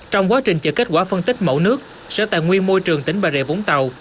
trong quá trình chờ kết quả phân tích mẫu nước sở tài nguyên môi trường tỉnh bà rệ vũng tàu